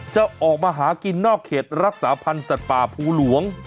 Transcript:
จะออกมาหากินนอกเขตรักษาพันธ์สัตว์ป่าภูหลวง